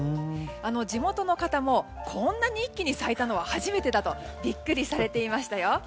地元の方も、こんなに一気に咲いたのは初めてだとビックリされていましたよ。